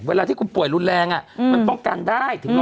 เวลาที่คุณป่วยรุนแรงมันป้องกันได้ถึง